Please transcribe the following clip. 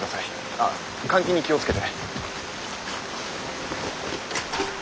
あっ換気に気を付けて。